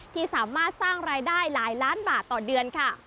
ที่สามารถสร้างรายได้หลายล้านบาทต่อเดือนค่ะ